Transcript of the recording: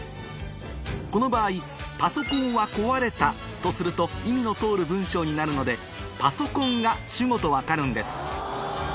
この場合「パソコンは壊れた」とすると意味の通る文章になるので「パソコン」が主語と分かるんです